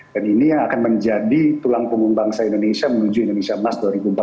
dan ini yang akan menjadi tulang punggung bangsa indonesia menuju indonesia emas dua ribu empat puluh